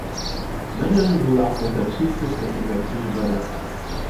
Madilyn grew up with her two sisters and her three brothers.